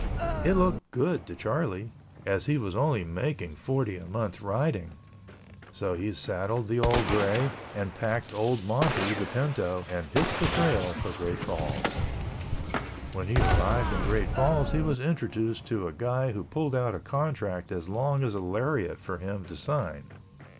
It looked good to Charlie, as he was only making forty a month riding, so he saddled the old gray and packed old Monty, the pinto, and hit the trail for Great Falls. When he arrived in Great Falls he was introduced to a guy who pulled out a contract as long as a lariat for him to sign.